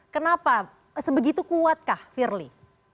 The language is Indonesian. kenapa sebegitu kuatkah firly